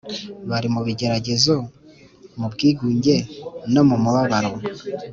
bari mu bigeragezo, mu bwigunge no mu mubabaro